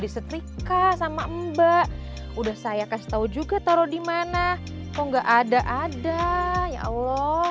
disetrika sama mbak udah saya kasih tahu juga taruh dimana oh enggak ada ada ya allah